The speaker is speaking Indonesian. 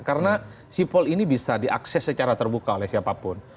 karena sipol ini bisa diakses secara terbuka oleh siapapun